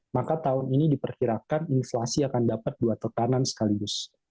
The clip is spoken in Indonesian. maka tahun ini diperkirakan inflasi akan dapat dua tekanan sekaligus